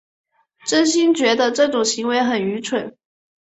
真心觉得这种行为很愚蠢